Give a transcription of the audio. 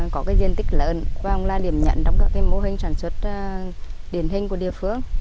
có cái diện tích lớn và cũng là điểm nhận trong các mô hình sản xuất điển hình của địa phương